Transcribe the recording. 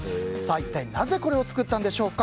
一体なぜこれを作ったんでしょうか。